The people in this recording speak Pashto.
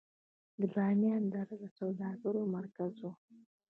د بامیان دره د سوداګرۍ مرکز و